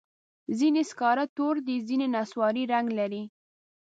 ځینې سکاره تور دي، ځینې نسواري رنګ لري.